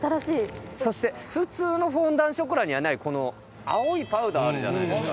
そして普通のフォンダンショコラにはないこの青いパウダーあるじゃないですか。